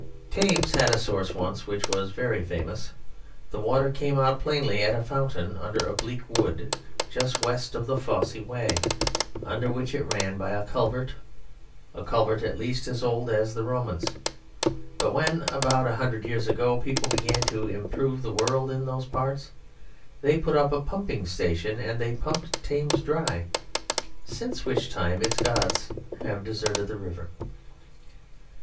Thames had a source once which was very famous. The water came out plainly at a fountain under a bleak wood just west of the Fosse Way, under which it ran by a culvert, a culvert at least as old as the Romans. But when about a hundred years ago people began to improve the world in those parts, they put up a pumping station and they pumped Thames dry since which time its gods have deserted the river.